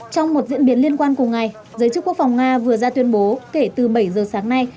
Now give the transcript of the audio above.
trong một diễn biến liên quan cùng ngày giới chức quốc phòng nga vừa ra tuyên bố kể từ bảy giờ sáng nay